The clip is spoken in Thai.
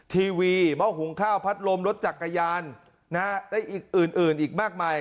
ทีวีเบาหุงข้าวพัดลมรถจักรยานได้อื่นอีกมากมาย